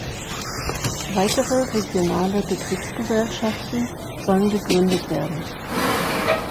Weitere regionale Betriebsgesellschaften sollen gegründet werden.